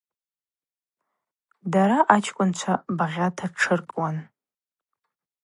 Дара ачкӏвынчва багъьата тшыркӏуан.